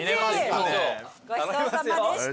ごちそうさまでした。